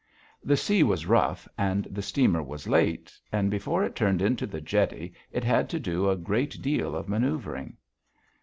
The sea was rough and the steamer was late, and before it turned into the jetty it had to do a great deal of manoeuvring.